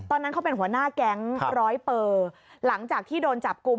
ตอนนั้นเขาเป็นหัวหน้าแก๊งร้อยเปอร์หลังจากที่โดนจับกลุ่ม